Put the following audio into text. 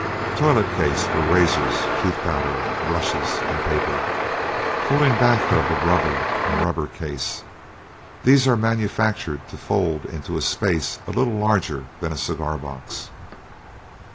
Toilet case for razors, tooth powder, brushes, and paper. Folding bath tub of rubber in rubber case. These are manufactured to fold into a space little larger than a cigar box.